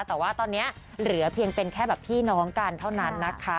แต่ว่าตอนนี้เหลือเพียงเป็นแค่แบบพี่น้องกันเท่านั้นนะคะ